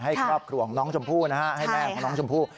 ให้ครอบครัวของน้องชมพู่นะฮะให้แม่ของน้องชมพู่